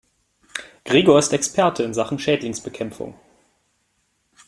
Gregor ist Experte in Sachen Schädlingsbekämpfung.